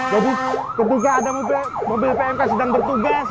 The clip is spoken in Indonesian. jadi ketika ada mobil pmk sedang bertugas